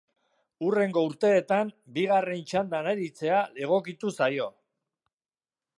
Hurrengo urteetan bigarren txandan aritzea egokitu zaio.